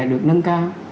được nâng cao